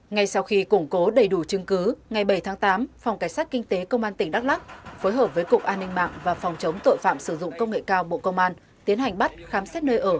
ngay sau khi củng cố đầy đủ chứng cứ ngày bảy tháng tám phòng cảnh sát kinh tế công an tỉnh đắk lắc phối hợp với cục an ninh mạng và phòng chống tội phạm sử dụng công nghệ cao bộ công an tiến hành bắt khám xét nơi ở